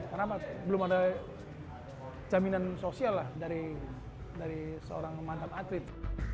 karena belum ada jaminan sosial lah dari seorang mantan atlet